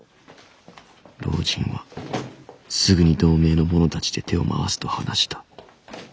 老人はすぐに同盟の者たちで手を回すと話した。